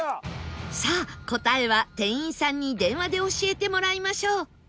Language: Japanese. さあ答えは店員さんに電話で教えてもらいましょう